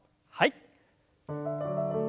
はい。